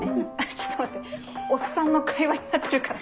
ちょっと待っておっさんの会話になってるから。